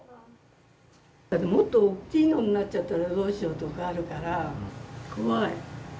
もっと大きいのになっちゃったらどうしようとかあるから怖い。